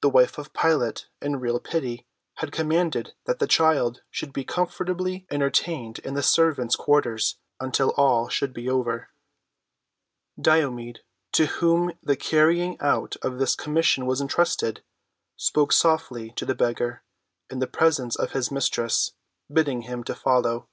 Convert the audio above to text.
The wife of Pilate in real pity had commanded that the child should be comfortably entertained in the servants' quarters until all should be over. Diomed, to whom the carrying out of this commission was entrusted, spoke softly to the beggar in the presence of his mistress, bidding him follow.